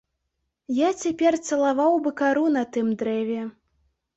Я цяпер цалаваў бы кару на тым дрэве.